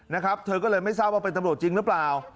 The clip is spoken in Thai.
นะครับเธอก็เลยไม่ทราบว่าเป็นตำรวจจริงหรือเปล่า